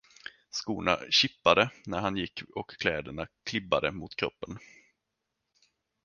Skorna kippade när han gick och kläderna klibbade mot kroppen.